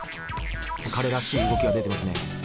彼らしい動きが出てますね。